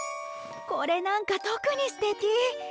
これなんか特にすてき。